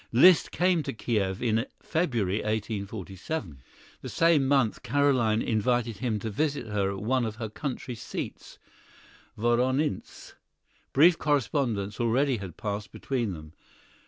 Liszt came to Kiew in February, 1847. The same month Carolyne invited him to visit her at one of her country seats, Woronince. Brief correspondence already had passed between them.